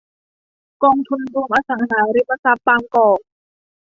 กองทุนรวมอสังหาริมทรัพย์บางกอก